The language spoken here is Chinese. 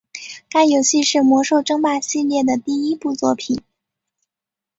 该游戏是魔兽争霸系列的第一部作品。